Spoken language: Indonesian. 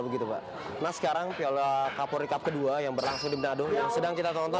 nah sekarang piala kapolri cup kedua yang berlangsung di manado yang sedang kita tonton